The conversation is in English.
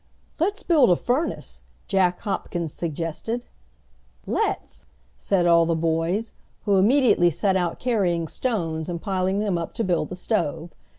"Let's build a furnace," Jack Hopkins suggested. "Let's," said all the boys, who immediately set out carrying stones and piling them up to build the stove.